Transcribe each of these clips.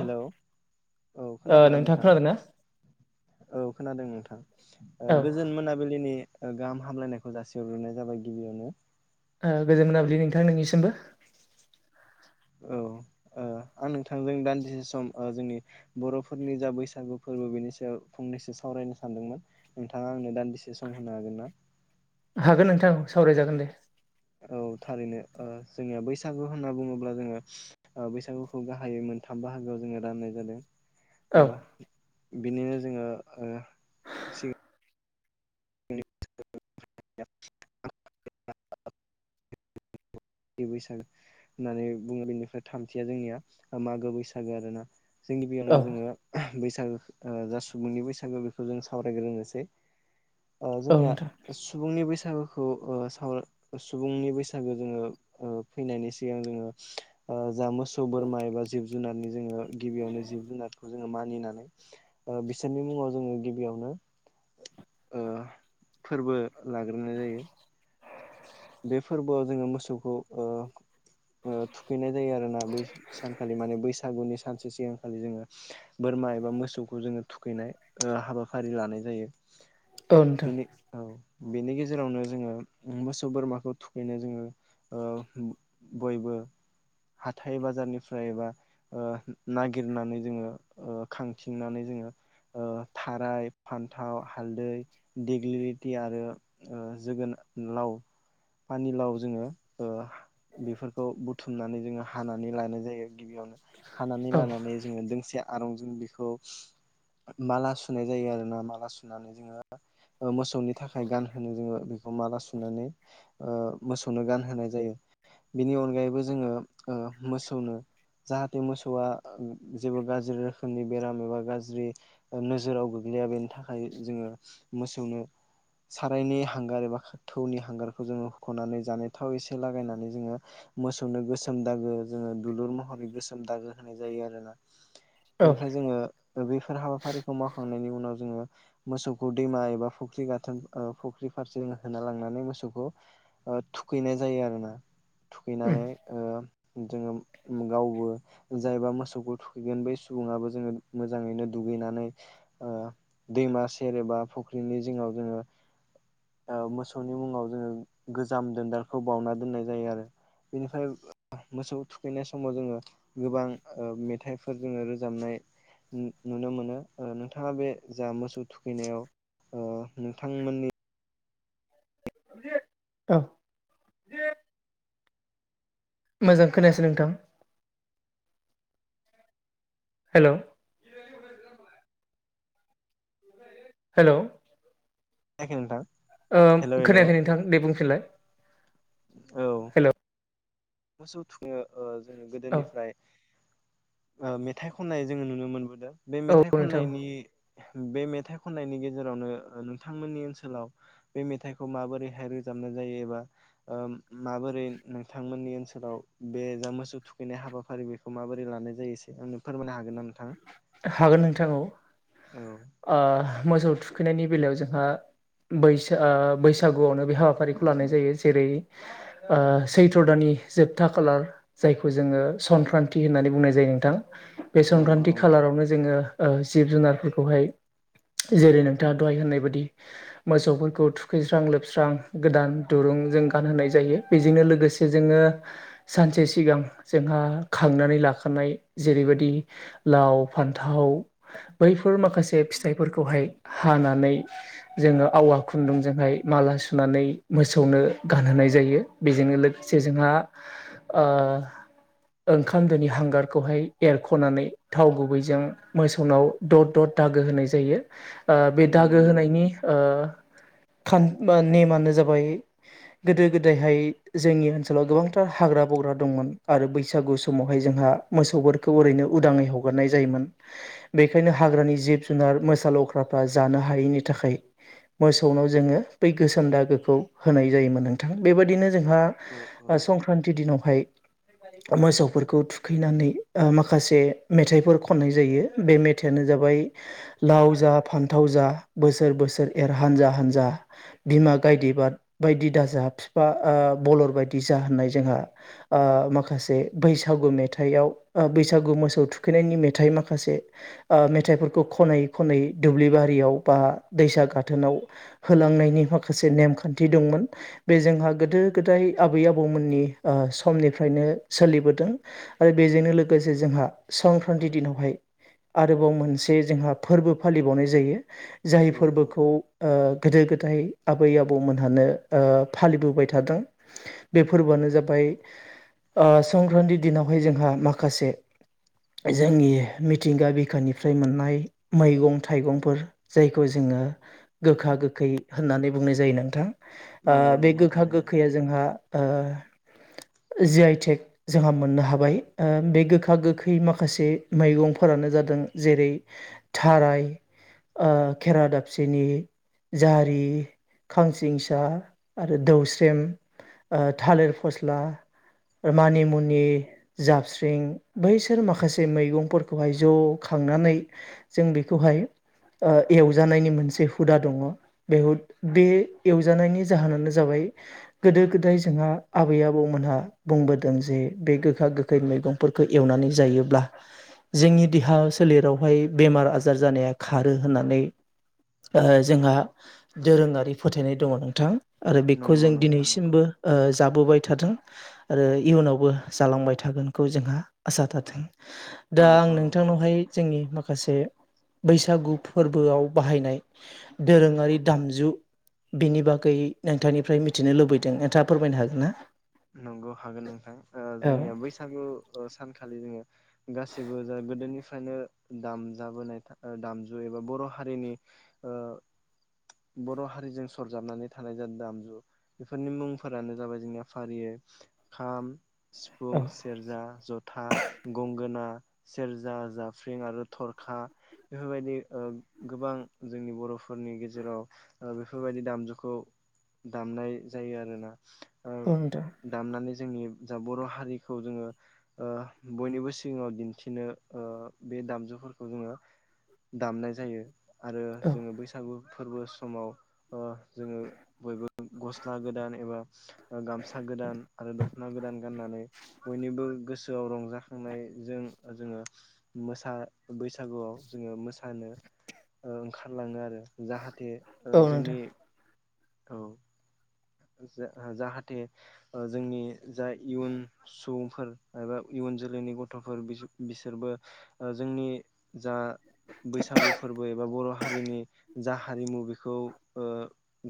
Hello औ ओ खोनादों ना नोंथाङा नोंथां? खोनादों ना? औ खोनादों नोंथां। ओ औ गोजोन मोनाबिलिनि ओ गाहाम हामलायनायखौ जासिहरग्रोनायजाबाय गिबियावनो। ओ गोजोन मोनाबलि नोंथां नोंनिसिमबो। औ औ। आं नोंथांजों दान्दिसे सम जोंनि बर'फोरनि जा बैसागु फोरबो बेनि सायाव फंनैसो सावरायनो सानदोंमोन नोंथाङा आंनो दान्दिसे सम होनो हागोन ना हागोन नोंथां सावरायजागोन दे औ थारैनो ओ जोंनिया बैसाग बैसागु होनना बुङोब्ला जोङो बैसागुखौ गाहायै मोनथाम बाहागोआव जोङो राननाय जादों औ ओ बिनिनो जोङो ओ सिगां [unintelligible] बैसागो होननानै बुङो बेनिफ्राय थामथिया जोंनिया ओ मागो बैसागो आरोना जों औ गिबियावनो जोङो बैसागो जा सुबुंनि बैसागो बेखौ जों सावरायग्रोनोसै औ जोंनिया नोंथां सुबुंनि बैसागोखौ साव सुबुंनि बैसागो जोङो फैनायनि सिगां जोङो जा मोसौ बोरमा एबा जिब जुनारनि जोङो गिबियावनो जिब जुनारखौ जोङो मानिनानै बिसोरनि मुङाव जोङो गिबियावनो फोरबो लाग्रोनाय जायो। बे फोरबोआव जोङो मोसौखौ थुखैनाय जायो आरो ना बै सानखालि माने बैसागुनि सानसे सिगांखालि जोङो बोरमा एबा मोसौखौ जोङो थुखैनाय हाबाफारि लानाय जायो। औ नोंथां बेनि औ बेनि गेजेरावनो जोङो मोसौ मोसौ बोरमाखौ थुखैनो जोङो बयबो हाथाय बाजारनिफ्रायबा नागिरनानै जोङो खांथिंनानै जोङो थाराय फान्थाव हालदै देग्लिलिटि आरो जोगोनार लाव पानिलाव जोङो बेफोरखौ बुथुमनानै जोङो हानानै लानाय जायो। गिबियावनो हानानै औ लानानै जोङो दोंसे आरंजों बेखौ माला सुनाय जायो आरोना माला सुनानै जोङो मोसौनि थाखाय गानहो जोङो बेखौ माला सुनानै मोसौनो गानहोनाय जायो। बिनि अनगायैबो जोङो मोसौनो जाहाथे मोसौआ जेबो गाज्रि रोखोमनि बेराम एबा गाज्रि नोजोराव गोग्लैयो या बेनि थाखाय जो मोनो सारायनि हांगार एबा थौनि हांगार बेखौ जोङो हुखोनानै जानाय थाव एसे लागायनानै जोङो मोसौनो गोसोम दागो जोङो दुलुर महर गोसोम दागो होनाय जायो आरोना। औ बेनिफ्राय जोङो बेफोर हाबाफारिखौ मावखांनायनि उनाव जोङो मोसौखौ दैमा एबा फुख्रि गाथोन फुख्रि फारसे होना लांनानै मोसौखौ थुखैनाय जायो आरोना उम थुखैनानै जोङो गावबो जायबा मोसौखौ थुखैगोन बै सुबुाबो जोङो मोजाङैनो दु गैनानै दैमा सेर एबा फुख्रिनि जिङाव जोङो मोसौनि मुङाव जोङो गोजाम दोनदारखौ बावउना दोननाय जायो आरो। बेनिफ्राय मोसौ थुखैनाय समाव जोङो गोबां मेथाइफोर जोङो रोजाबनाय नुनो मोनो नोंथाङा बे जा मोसौ थुखैनायाव नोंथांमोननि औ मोजां खोनायासै नोंथां हेल' हेल' खोनायाखै नोंथां। हेल' हेल' औ खोनायाखै नोंथां दे बुंफिनलाय हेल' मोसौ थुङो जोङो औ गोदोनिफ्राय मेथाइ खननाय जोङो नुनो मोनबोदों बे औ मेथाइ नोंथां खननायनि बे मेथाइ खननायनि गेजेरावनो नोंथांमोननि ओनसोलाव बे मेथाइखौ माबोरैहाय रोजाब नायायोबा ओ माबोरै नोंथांमोननि ओनसोलाव बे जा मोसौ थुखैनाय हाबाफारि बेखौ माबोरै लानाय जायो एसे आंनो फोरमायनो हागोन नामा? हागोन नोंथां औ औ ओ मोसौ थुखैनायनि बेलायाव जोंहा बैसा ओ बैसागुआवनो बे हाबाफारिखौ लानाय जायो जेरै ओ सैथ्र' दाननि जोबथा खालार जायखौ जोङो संक्रान्ति होन्नानै बुंनाय जायो नोंथां। बे नंगौ संक्रान्ति नंगौ खालारावनो जोङो ओ जिब जुनारफोरखौहाय [inaudible] जेरै नोंथाङा दहाय होननाय बायदि मोसौफोरखौ थुखैस्रां लोबस्रां गोदान दुरुं जों गानहोनाय जायो बेजोंनो लोगोसे जोङो सानसे सिगां जोंहा खांनानै लाखा खानाय जेरैबायदि लाव फान्थाव बैफोर माखासे फिथाइफोरखौहाय हानानै जोङो आवा खुन्दुंजोंहाय माला सुनानै मोसौनो गानहोनाय जायो। बेजोंनो लो से जोंहा ओ ओंखाम दोनि हांगारखौहाय एरख'नानै थाव गुबैजों मोसौनाव द'द द'द दाग गो होनाय जायो। ओ बे नंगौ दागो नंगौ होनायनि ओ खान ओ नेमानो जाबाय गोदो गोदायहाय जोंनि ओनसोलाव गोबांथार हाग्रा बं ग्रा दंमोन आरो बैसागु समावहाय जोंहा मोसौफोरखौ ओरैनो उदाङै हगारनाय जायोमोन। बेखायनो हाग्रानि जिब जुनार मोसा लख्राफ्रा जानो हायैनि थाखाय मोसौनाव जोङो बै गोसोम दागोखौ होनाय जायोमोन नोंथां। बेबायदिनो जोंहा औ औ संक्रान्ति दिनावहाय मोसौफोरखौ थुखैनानै ओ माखासे मेथाइफोर खननाय जायो। बे मेथाइया नो जाबाय लाव जा, फान्थाव जा बोसोर बोसोर एर हानजा हानजा बिमा गायदे बाद बायदि दाजा बिफा ओ बलर बायदि जा होननाय जोंहा ओ माखासे बैसागु मेथाइआव बैसागु मोसौ थुखैनायनि मेथाइ माखासे ओ मेथाइफोर खौ खनै खनै दुब्लि बारियाव बा दैसा गाथोनाव होलांनायनि माखासे नेम खान्थि दंमोन बे जोंहा गोदो गोदाय आबै आबौमोननि ओ समनिफ्रायनो सो लिबोदों। आरो बेजोंनो लोगोसे जोंहा संक्रान्ति दिनावहाय आरोबाव मोनसे जोंहा फोरबो फालिबावनाय जायो जाय औ औ फोरबोखौ ओ गोदो गोदाय दाय आबै आबौमोनहानो ओ फालिबोबाय थादों बे फोरबोआनो जाबाय ओ संक्रान्ति दिनावहाय जोंहा माखासे जोंनि मिथिंगा बिखानिफ्राय य मोननाय मैगं थाइगंफोर जायखौ जोङो गोखा गोखै होननानै बुङो नाय जायो नोंथां। ओ नंगौ बे नंगौ गोखा थारैनो गोखैया जोंहा ओ जि आइ टेक जोंहा मोननो हाबाय। ओ बे गोखा गोखै माखासे मैगंफोरानो जादों जेरै थाराय ओ खेरा दाबसेनि जारि, खांसिंसा आरो दौस्रेम ओ थालिर फस्ला मानि मुनि, जाबस्रिं बैसोर माखासे मैगंफोरखौहाय ज' खांनानै जों बेखौहाय ओ एवजानायनि मोनसे हुदा दङ'। ब हुद बे एवजानायनि जाहोनानो जाबाय गोदो गोदाय जोंहा आबै आबौमोनहा बुंबोदों जे बे गोखा गोखै मैगं फोरखौ एवनानै जायोब्ला जोंनि देहा सो सोलेरावहाय बेमार आजार जानाया खारो होननानै ओ जोंहा दोरोङारि फोथायनाय दङ' नोंथां। आरो बेखौ नंगौ जों नोंथां नंगौ दिनैसिमबो ओ जाबोबाय थाथों आरो इयुनावबो जालांबाय थागोनखौ जोंहा आसा थाथों। औ दा आं औ नोंथांनावहाय जोंनि माखासे बैसागु फोरबोआव बाहायनाय दोरोङारि दामजु बेनि बागै नोंथांनिफ्राय मिथिनो लुबैदों नोंथाङा फोरमायनो हागोन ना? नंगौ हागोन नोंथां। ओ औ जोंनिया बैसागु सानखालि जोङो गासिबो जा गोदोनि फायनो दामजाबोनाय ओ दामजु एबा बर' हारिनि बर' हारिजों सरजाबनानै थानाय जा दामजु बेफोरनि मुंफोरानो जाबाय जोंनिया फारियै खाम, सिफुं, औ सेरजा, जथा गंगोना सेरजा जाफ्रिं आरो थरखा बेफोरबायदि ओ गोबां जोंनि बर' फोरनि गेजेराव बेफोरबायदि दामजुखौ दामनाय जायो आरोना। ओ ओं दे। दामनानै जोंनि जा बर' हारिखौ जोङो ओ बयनिबो सिगाङाव दिन्थिनो बे दामजुफोरखौ जोङो दामनाय जायो आरो औ जोङो बैसागु फोरबो समाव ओ जोङो बयबो गस्ला गोदान एबा गामसा गोदान आरो दख'ना गोदान गाननानै बयनिबो गोसोआव रंजाखांनाय जों जोङो मोसा बैसागुआव जोङो मोसानो ओ ओंखारलाङो आरो जाहाथे ओ औ नोंथां जोंनि औ। ज-जाहाथे ओ जोंनि जा इयुन सुबुंफोर एबा इयुन जोलैनि गथ'फोर बिसोर-बिसोरबो ओ जोंनि जा बैसागु फोरबो एबा बर' हारिनि जा हारिमु बेखौ ओ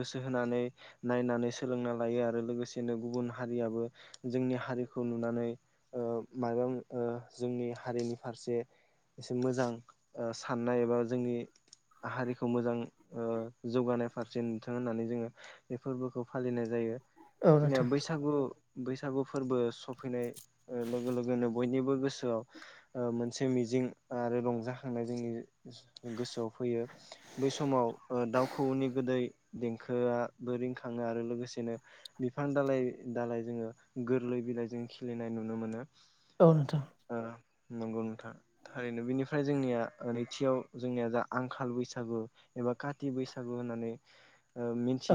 गोसो होनानै नायनानै सोलोंना लायो आरो लोगोसेनो गुबुन हारियाबो जोंनि हारिखौ नुनानै मा जोंनि हारिनि फारसे एसे मोजां साननाय एबा जोंनि हारिखौ मोजां जौगानाय फारसे नोंथां होननानै जोङो बे फोरबोखौ फालिनाय जायो। औ जेनेबा नोंथां बैसागु बैसागु फोरबो सफैनाय लोगो लोगोनो बयनिबो गोसोआव मोनसे मिजिं आरो रंजाखांनाय जोंनि गोसोआव फैयो बै समाव दाउखौनि गोदै देंखोङाबो रिंखां खाङो आरो लोगोसेनो बिफां दालाय दालाय जोङो गोरलै बिलाइ जों खिलिनाय नुनो मोनो। औ नोथां। ओ नंगौ नोंथां थारैनो। बेनिफ्राय जोंनिया नैथियाव जोंनिया जा आंखाल बैसागु एबा काथि बैसागु होननानै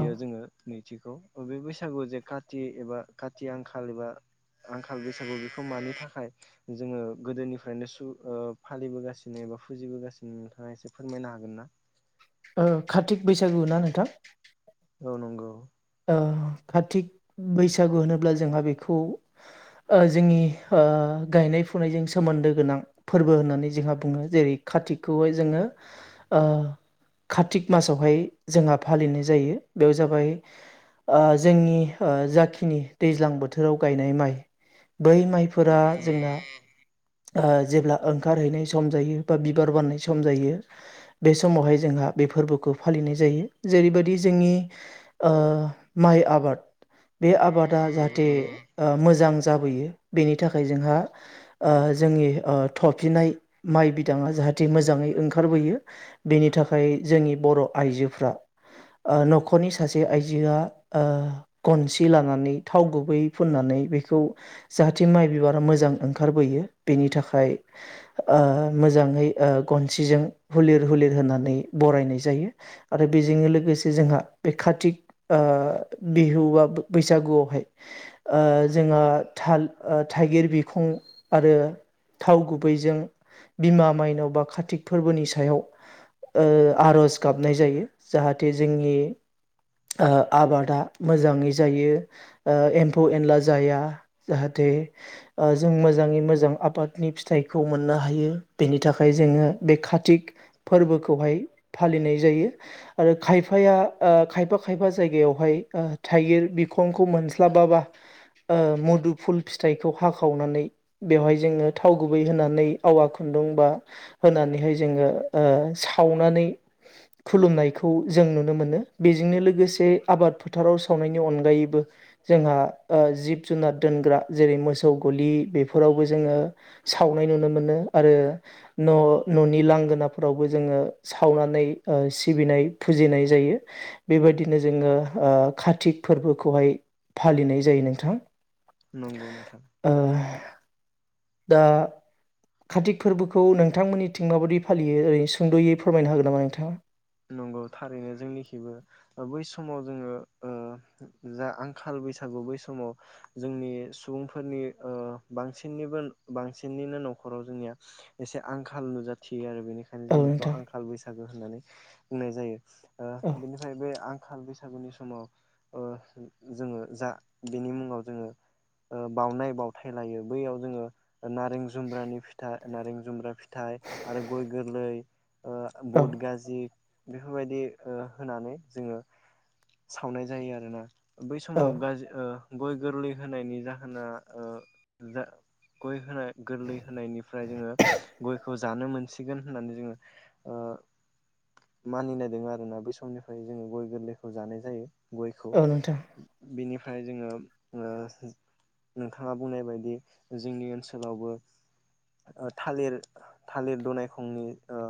औ जोङो। नैथिखौ बे बैसागु जे काथि एबा खाथि आंखाल एबा आंखाल बैसागु बेखौ मानि थाखाय जोङो गोदोनिफ्रायनो सु ओ फालिबोगासिनो बा फुजिबोगासिनो नोंथाङा एसे फोरमायनो हागोन ना? कार्तिक बैसागु ना नोंथां? औ नंगौ। ओ कार्तिक बैसागु होनोब्ला जोंहा बेखौ जोंनि गायनाय फुनायजों सोमोन्दो गोनां फोरबो होननानै जोंहा बुङो। जेरै खाथिखौहाय जोङो कार्तिक मासावहाय जोंहा फालिनाय जायो बेयाव जाबाय जोंनि ओ जाखिनि दैज्लां बोथोराव गायनाय माइ बै औ माइफोरा जोंना जेब्ला ओंखारहैनाय सम जायो बा बिबार बारनाय सम जायो बे समावहाय जोंहा बे फोरबोखौ फालिनाय जायो। जेरैबायदि जोंनि ओ माइ आबाद बे आबादा औ जाहाथे औ ओ मोजां जाबोयो। बेनि थाखाय जोंहा ओ जोंनि ओ थफिनाय माइ बिदाङा जाहाथे मोजाङै ओंखारबोयो। बेनि थाखाय थाखाय जोंनि बर' आइजोफ्रा न'खरनि सासे आइजोआ गनसि लानानै थाव गुबै फुननानै बेखौ जाहाथे माइ बिबारा मोजां ओंखारो खारबोयो बेनि थाखाय ओ मोजाङै गनसिजों ओ हलिर हुलिर हो नानै बरायनाय जायो। आरो बेजोंनो लोगोसे जोंहा बे कातिक ओ बिहुा बैसागुआवहाय जोंहा थाल थाइगिर बिखं आरो थाव गुबैजों बिमा माइनाव बा कार्तिक फोरबोनि सायाव ओ आर'ज गाबनाय जायो जाहाथे जोंनि आबादा मोजांङै जायो एम्फौ एनला जाया जाहाथे बे ओ जो जों मोजाङै मोजां आबादनि फिथाइखौ मोननो हायो। बेनि थाखाय ओ जोङो बे कातिक फोरबोखौहाय फालिनाय जायो आरो खायफाया ओ खायफा खायफा जायगायावहाय ओ थाइगिर बिखंखौ मोनस्लाबाबा ओ मुदु फुल फिथाइखौ हाख खावनानै बेवहाय जोंङो थाव गुबै होनानै आवा खुन्दुं बा होनानैहाय जोङो ओ सावनानै खुलुमनायखौ जों नुनो मोनो बेजोंनो लोगोसे आबाद फोथाराव सावनायनि अनगायैबो जोंहा ओ जिब जुनार दोनग्रा जेरै मोस सौ गलि बेफोरावबो जोंङो सावनाय नुनो मोनो आरो न' न'नि लां लांगोनाफोरावबो जोङो सावनानै ओ सिबिनाय फुजिनाय जायो बेबायदिनो जोङो ओ ओ काथिक फोरबोखौ हाय फालिनाय जायो नोंथां। नंगौ नोंथां ओ दा कार्तिक फोरबोखौ नोंथांमोननिथिं माबायै फालियो ओरै सुंद'यै फोरमायनो होगोन नामा नोंथांङा? नंगौ थारैनो जोंनिखिबो ओ बै समाव जोंङो ओ जा आंखाल बैसागु बै समाव जोंनि सुबुंफोरनि ओ बांसिननिबो बांसिननिनो न'खराव जोंनिया एसे आंखाल नुजाथियो आरो। बेनिखायनो औ जों बेखौ नोंथां आंखाल बैसागु होननानै बुंनाय जायो ओ औ बेनिफ्राय बे आंखाल बै बैसागुनि समाव ओ जोंङो जा बेनि मुंङाव जोङो ओ बावनाय बावथाय लायो बैयाव जोंङो नारें जुमब्रानि फिथाइ नारें जुम्ब्रा फिथाइ आरो गय गोरलै ओ औ बुट गाज बेफोरबायदि ओ होनानै जोंङो सावनाय जायो आरोना। बै औ समाव गाज्रि ओ गय गोरलै होनायनि जाहोना ओ जा गय होनाय गोरलै होनायनिफ्राय जोङो गयखौ जानो मोनसिगोन होननानै जोंङो ओ मानिनाय दं आरोना बे समनिफ्राय जोंङो गय गोरलैखौ जानाय जायो। गयखौ औ नोंथां बिनिफ्राय जोंङो ओ नोंथांङा बुंनाय बायदि जोंनि ओनसोलावबो ओ थालिर थालिर दनायखंनि ओ